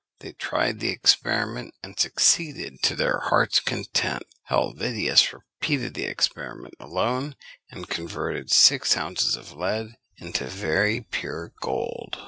They tried the experiment, and succeeded to their heart's content. Helvetius repeated the experiment alone, and converted six ounces of lead into very pure gold.